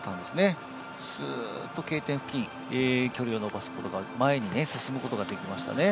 すーっとＫ点付近、距離を延ばすことが、前に進むことができました。